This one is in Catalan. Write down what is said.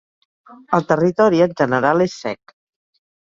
El territori en general és sec.